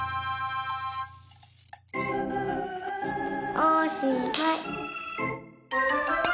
おしまい！